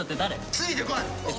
ついてこい！